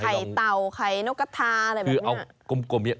ไข่เตาไข่นกะทาอะไรแบบนี้